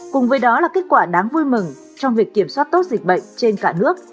cùng với đó là kết quả đáng vui mừng trong việc kiểm soát tốt dịch bệnh trên cả nước